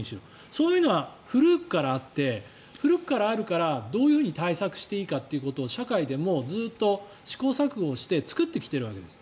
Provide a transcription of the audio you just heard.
そういうのは古くからあって古くからあるからどういうふうに対策していいかということを社会で試行錯誤して作ってきているわけです。